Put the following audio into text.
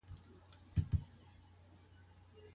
ايا بېسواده مېرمن کولای سي کور ښه سمبال کړي؟